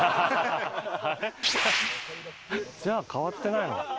じゃあ変わってないの？